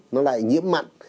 nó lại nhiễm mặn